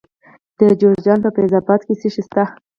د جوزجان په فیض اباد کې څه شی شته؟